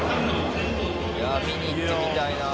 見に行ってみたいな。